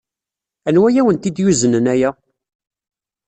Anwa ay awent-d-yuznen aya?